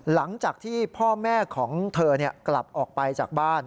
หลังจากที่พ่อแม่ของเธอกลับออกไปจากบ้าน